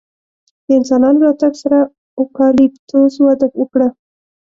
د انسانانو راتګ سره اوکالیپتوس وده وکړه.